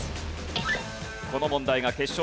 この問題が決勝